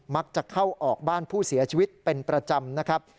มักจะเข้าออกบ้านผู้เสียชีวิตเป็นประจำนะครับ